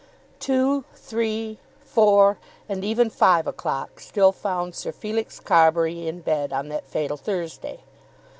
Two, three, four, and even five o'clock still found Sir Felix Carbury in bed on that fatal Thursday.